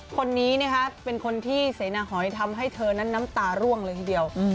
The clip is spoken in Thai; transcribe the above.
คนนี้เป็นคนที่เสนาหอยทำให้เธอนั้นน้ำตาร่วงเลยทีเดียว